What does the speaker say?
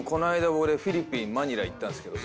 俺フィリピンマニラ行ったんすけど。